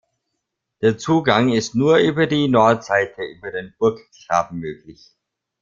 Der Zugang ist nur über die Nordseite über den Burggraben möglich.